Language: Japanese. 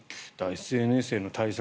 ＳＮＳへの対策